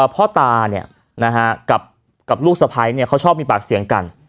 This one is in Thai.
พ่อตากับลูกสะพ้ายเขาชอบมีปากเสียงกัน